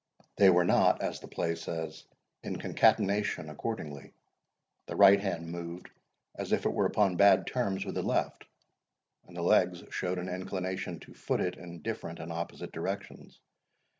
They were not, as the play says, in a concatenation accordingly;—the right hand moved as if it were upon bad terms with the left, and the legs showed an inclination to foot it in different and opposite directions.